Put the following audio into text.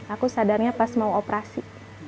aku sadarnya pas mau operasi